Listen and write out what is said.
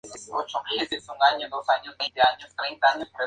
Este programa servidor existe para Windows y Linux.